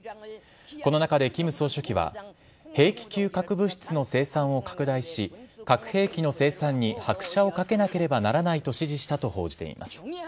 この中でキム総書記は、兵器級核物質の生産を拡大し、核兵器の生産に拍車をかけなければならないと指示したと報じています。